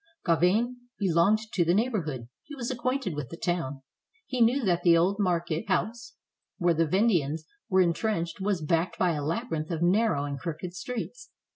Gauvain belonged to the neighborhood ; he was ac quainted with the town; he knew that the old market house where the Vendeans were intrenched was backed by a labyrinth of narrow and crooked streets.